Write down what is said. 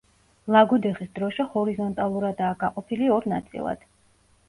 ლაგოდეხის დროშა ჰორიზონტალურადაა გაყოფილი ორ ნაწილად.